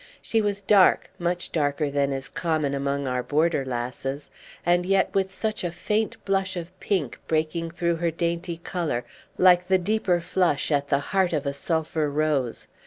She was dark, much darker than is common among our border lasses, and yet with such a faint blush of pink breaking through her dainty colour, like the deeper flush at the heart of a sulphur rose.